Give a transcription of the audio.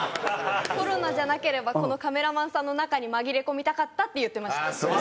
「コロナじゃなければこのカメラマンさんの中に紛れ込みたかった」って言ってました。